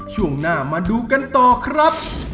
ช่วงหน้ามาดูกันต่อครับ